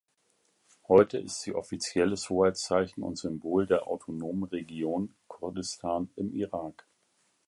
Heute ist sie offizielles Hoheitszeichen und Symbol der Autonomen Region Kurdistan im Irak.